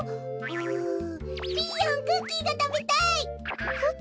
んピーヨンクッキーがたべたい！